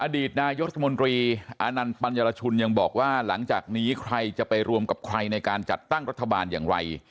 อดีตนายกรัฐมนตรีอานันต์ปัญญารชุนยังบอกว่าหลังจากนี้ใครจะไปรวมกับใครในการจัดตั้งรัฐบาลอย่างไร